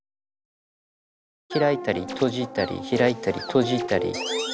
開いたり閉じたり開いたり閉じたり。